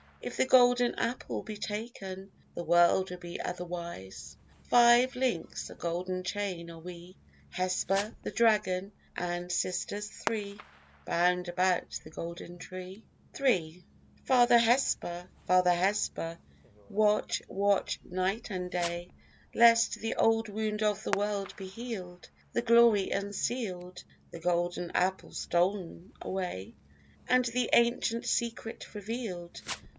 If the golden apple be taken The world will be overwise. Five links, a golden chain, are we, Hesper, the dragon, and sisters three, Bound about the golden tree. III Father Hesper, Father Hesper, watch, watch, night and day, Lest the old wound of the world be healèd, The glory unsealèd, The golden apple stol'n away, And the ancient secret revealèd.